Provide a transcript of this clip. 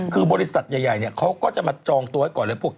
คือบริษัทใหญ่เขาก็จะมาจองตัวให้ก่อนเลย